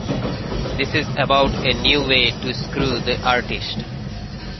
This is about a new way to screw the artist.